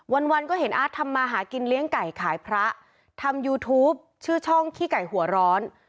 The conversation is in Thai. วันวันก็เห็นอาร์ตทำมาหากินเลี้ยงไก่ขายพระทำยูทูปชื่อช่องขี้ไก่หัวร้อน